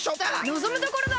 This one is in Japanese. のぞむところだ！